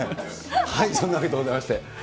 そんなわけでございまして。